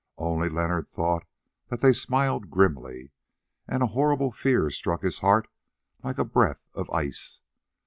Only Leonard thought that they smiled grimly, and a horrible fear struck his heart like a breath of ice.